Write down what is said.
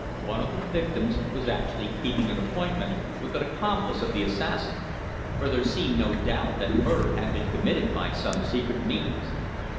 One of the victims was actually keeping an appointment with an accomplice of the assassin, for there seemed no doubt that murder had been committed by some secret means.